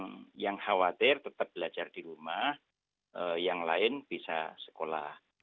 ya tidak apa apa yang khawatir tetap belajar di rumah yang lain bisa sekolah